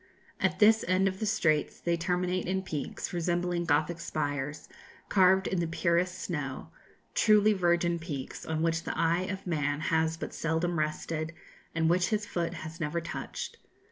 At this end of the Straits they terminate in peaks, resembling Gothic spires, carved in the purest snow; truly 'virgin peaks,' on which the eye of man has but seldom rested, and which his foot has never touched.